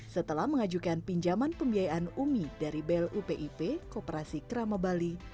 setelah mengajukan pinjaman pembiayaan umi dari blu pip kooperasi krama bali